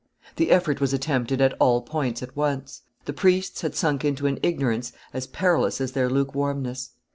The effort was attempted at all points at once. The priests had sunk into an ignorance as perilous as their lukewarmness.